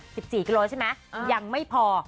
๑๔กิโลใช่ไหมยังไม่พอ